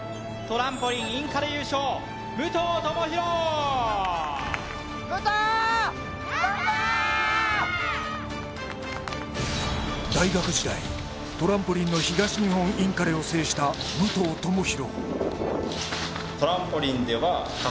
ガンバ！大学時代トランポリンの東日本インカレを制した武藤智広